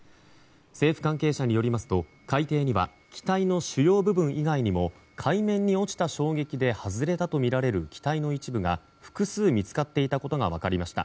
政府関係者によりますと海底には機体の主要部分以外にも海面に落ちた衝撃で外れたとみられる機体の一部が複数見つかっていたことが分かりました。